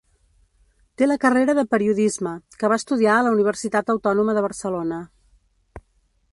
Té la carrera de Periodisme, que va estudiar a la Universitat Autònoma de Barcelona.